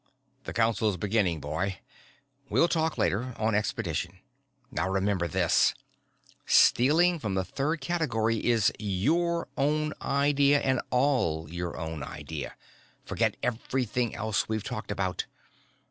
"The council's beginning, boy. We'll talk later, on expedition. Now remember this: stealing from the third category is your own idea, and all your own idea. Forget everything else we've talked about.